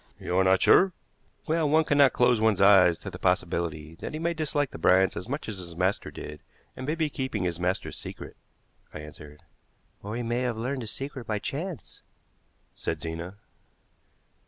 "You are not sure?" "Well, one cannot close one's eyes to the possibility that he may dislike the Bryants as much as his master did, and may be keeping his master's secret," I answered. "Or he may have learned the secret by chance," said Zena.